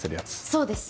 そうです。